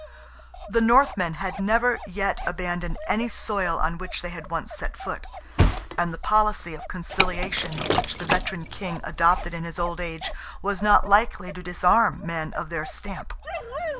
The Northmen had never yet abandoned any soil on which they had once set foot, and the policy of conciliation which the veteran King adopted in his old age, was not likely to disarm men of their stamp.